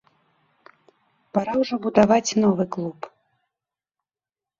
Пара ўжо будаваць новы клуб.